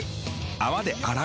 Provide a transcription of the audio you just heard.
泡で洗う。